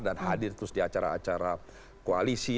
dan hadir terus di acara acara koalisi